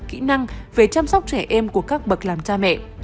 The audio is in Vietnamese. kỹ năng về chăm sóc trẻ em của các bậc làm cha mẹ